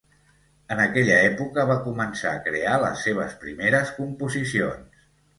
En aquella època va començar a crear les seves primeres composicions.